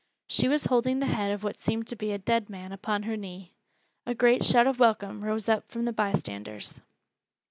She was holding the head of what seemed to be a dead man upon her knee. A great shout of welcome rose up from the bystanders.